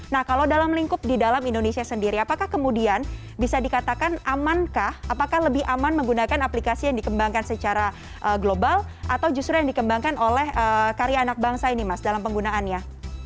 nah kalau dalam lingkup di dalam indonesia sendiri apakah kemudian bisa dikatakan amankah apakah lebih aman menggunakan aplikasi yang dikembangkan secara global atau justru yang dikembangkan oleh karya anak bangsa ini mas dalam penggunaannya